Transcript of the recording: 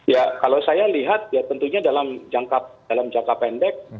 ya kalau saya lihat ya tentunya dalam jangka pendek